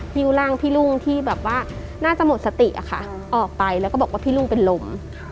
ฮิวร่างพี่รุ่งที่แบบว่าน่าจะหมดสติอะค่ะออกไปแล้วก็บอกว่าพี่ลุงเป็นลม